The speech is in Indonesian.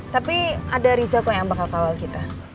tapi ada rizako yang bakal kawal kita